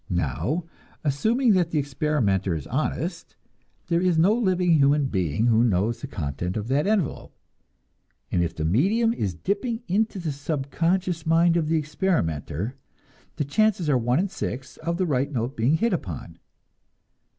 Now, assuming that the experimenter is honest, there is no living human being who knows the contents of that envelope, and if the medium is dipping into the subconscious mind of the experimenter, the chances are one in six of the right note being hit upon.